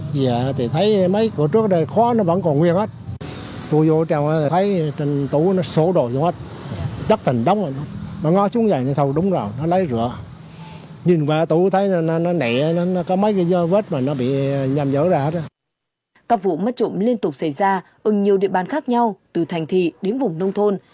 các vụ mất trộm liên tục xảy ra ưng nhiều địa bàn khác nhau từ thành thị đến vùng nông thôn